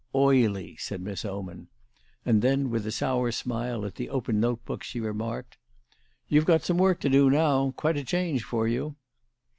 "Oily," said Miss Oman. And then, with a sour smile at the open note books, she remarked: "You've got some work to do now; quite a change for you."